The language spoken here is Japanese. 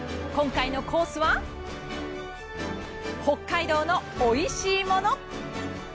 今回のコースは北海道のおいしいもの。